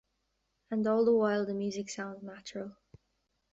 And all the while the music sounds natural.